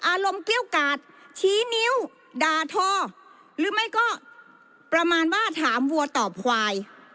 เกรี้ยวกาดชี้นิ้วด่าทอหรือไม่ก็ประมาณว่าถามวัวตอบควาย